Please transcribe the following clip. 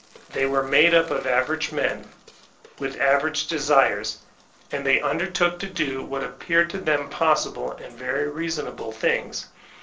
They were made up of average men, with average desires, and they undertook to do what appeared to them possible and very reason able things.